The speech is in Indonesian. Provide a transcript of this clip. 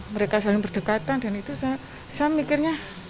mereka saling berdekatan dan itu saya mikirnya